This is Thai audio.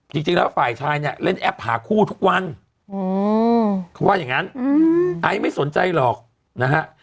จริงแล้วฝ่ายชายเนี่ยเล่นแอปหาคู่ทุกวันเขาว่าอย่างนั้นไอซ์ไม่สนใจหรอกนะฮะ